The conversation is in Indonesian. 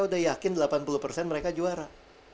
udah yakin delapan puluh persen mereka juara